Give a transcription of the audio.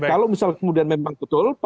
kalau misal kemudian memang betul